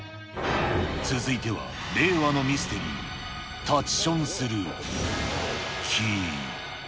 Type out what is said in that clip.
続いては令和のミステリー、立ちションする木。